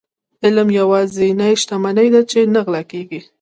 علم يوازنی شتمني ده چي نه غلا کيږي.